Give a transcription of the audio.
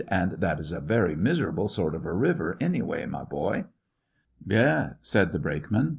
"And that is a very miserable sort of a river, any way, my boy." "Yes," said the brakeman.